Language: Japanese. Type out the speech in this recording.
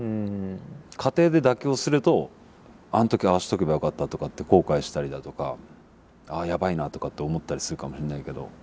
過程で妥協するとあの時ああしておけばよかったとかって後悔したりだとかああやばいなとかって思ったりするかもしれないけど。